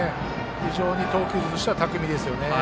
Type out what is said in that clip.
非常に投球術としては巧みですよね。